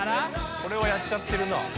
これはやっちゃってるな。